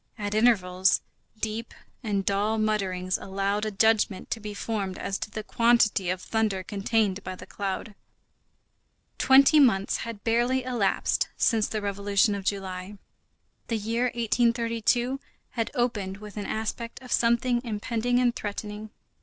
At intervals, deep and dull mutterings allowed a judgment to be formed as to the quantity of thunder contained by the cloud. Twenty months had barely elapsed since the Revolution of July, the year 1832 had opened with an aspect of something impending and threatening.